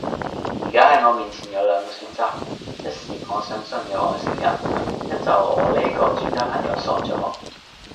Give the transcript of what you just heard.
依家系我面前有兩個選擇，一是我相信有外星人，一就我呢個專家朋友傻左